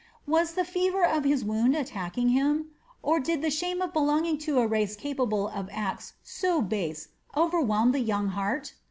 Was the fever of his wound attacking him? Or did the shame of belonging to a race capable of acts so base overwhelm the young heart?